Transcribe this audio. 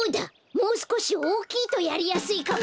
もうすこしおおきいとやりやすいかも！